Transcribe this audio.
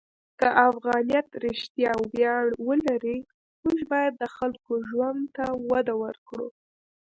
که افغانیت رښتیا ویاړ ولري، موږ باید د خلکو ژوند ته وده ورکړو.